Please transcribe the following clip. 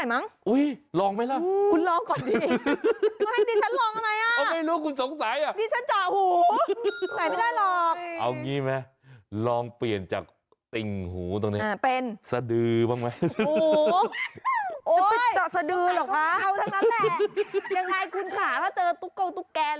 ยังไงคุณขาถ้าเจอตุ๊กโก้ตุ๊กแก